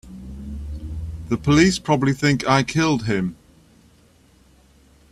The police probably think I killed him.